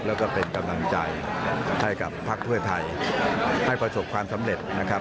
แล้วก็เป็นกำลังใจให้กับพักเพื่อไทยให้ประสบความสำเร็จนะครับ